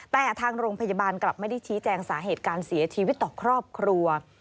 แต่ทางโรงพยาบาลกลับไม่ได้ชี้แจงสาเหตุการเสียชีวิตต่อครอบครัว